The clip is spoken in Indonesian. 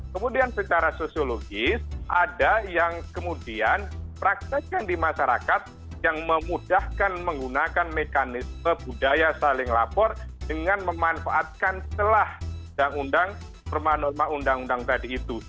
kemudian secara sosiologis ada yang kemudian praktekkan di masyarakat yang memudahkan menggunakan mekanisme budaya saling lapor dengan memanfaatkan celah yang undang norma norma undang undang tadi itu